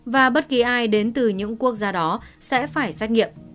và bất kỳ ai đến từ những quốc gia đó sẽ phải xét nghiệm